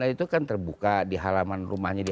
itu kan terbuka di halaman rumahnya dia